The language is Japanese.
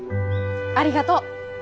ありがとう！